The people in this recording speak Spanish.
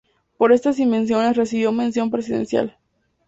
Por estas invenciones recibió Mención Presidencial.